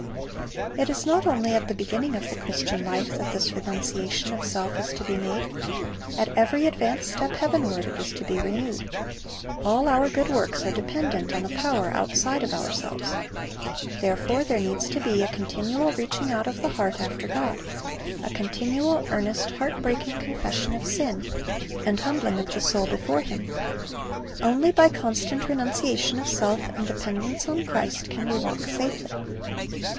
It is not only at the beginning of the Christian life that this renunciation of self is to be made. At every advance step heavenward it is to be renewed. All our good works ijer. 17:9 i6o Christ's Object Lessons are dependent on a power outside of ourselves. Therefore there needs to be a continual reaching out of the heart after God, a continual, earnest, heart breaking confession of sin and humbling of the soul before Him. Only by constant renunciation of self and dependence on Christ can we walk safely.